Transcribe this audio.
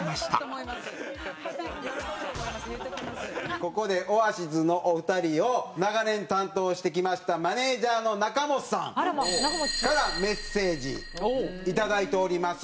ここでオアシズのお二人を長年担当してきましたマネジャーの仲本さんからメッセージいただいております。